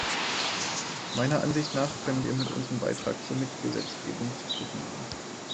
Meiner Ansicht nach können wir mit unserem Beitrag zur Mitgesetzgebung zufrieden sein.